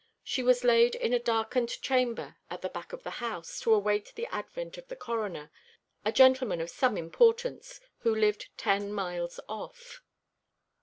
She was laid in a darkened chamber at the back of the house, to await the advent of the Coroner, a gentleman of some importance, who lived ten miles off.